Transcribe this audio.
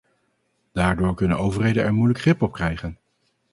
Daardoor kunnen overheden er moeilijk grip op krijgen.